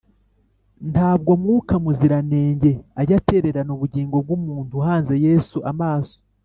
ntabwo mwuka muziranenge ajya atererana ubugingo bw’umuntu uhanze yesu amaso